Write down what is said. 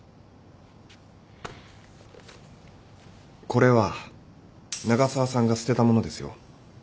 これは長澤さんが捨てたものですよ。